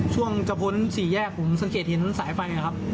ช่วงจะพ้นสี่แยกผมสังเกตเห็นสายไฟไงครับ